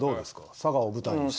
佐賀を舞台にした。